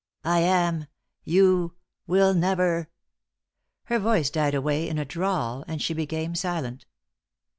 I am you will never " Her voice died away in a drawl, and she became silent.